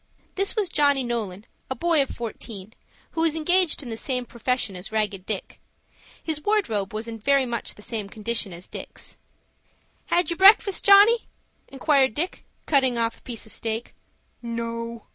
This was Johnny Nolan, a boy of fourteen, who was engaged in the same profession as Ragged Dick. His wardrobe was in very much the same condition as Dick's. "Had your breakfast, Johnny?" inquired Dick, cutting off a piece of steak. "No."